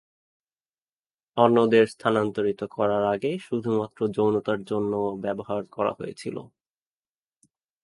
অন্যদের স্থানান্তরিত করার আগে শুধুমাত্র যৌনতার জন্য ব্যবহার করা হয়েছিল।